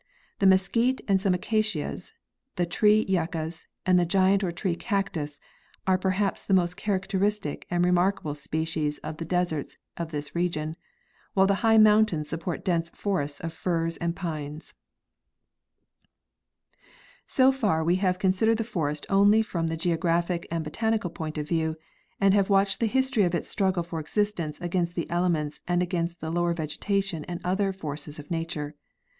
The mesquite and some acacias, the tree yuccas and the giant or tree cactus are perhaps the most characteristic and remark *able species of the deserts of this region, while the high moun tains support dense forests of firs and pines. So far we have considered the forest only from the geographic and botanical point of view,.and have watched the history of its struggle for existence against the elements and against the lower vegetation and other forces of nature.